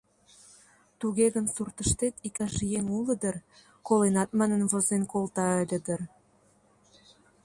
Туге гын, суртыштет иктаж еҥ уло дыр, «коленат» манын возен колта ыле дыр?